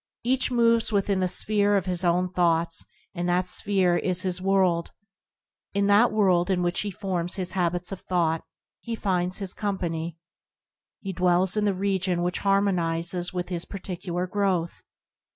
Each moves within the sphere of his own thoughts, and that sphere is his world. In that world in which he forms his habits of thought, he finds his company. He dwells in the region which harmonizes with his particular growth.